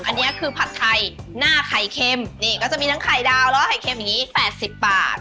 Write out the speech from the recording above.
อันนี้คือผัดไทยหน้าไข่เค็มนี่ก็จะมีทั้งไข่ดาวแล้วก็ไข่เค็มอย่างนี้๘๐บาท